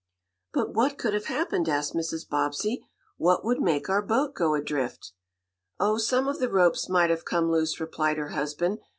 "But what could have happened?" asked Mrs. Bobbsey. "What would make our boat go adrift?" "Oh, some of the ropes might have come loose," replied her husband.